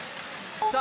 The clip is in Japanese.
さあ